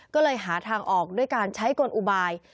ก็เลยหาทางออกด้วยการใช้กลอุบาย